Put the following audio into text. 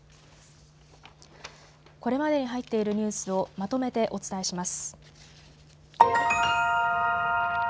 これまでに入っているニュースをまとめてお伝えします。